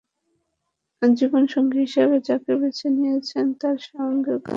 জীবনসঙ্গী হিসেবে যাকে বেছে নিয়েছেন, তাঁর সঙ্গেও গান গাইতে গিয়েই পরিচয়।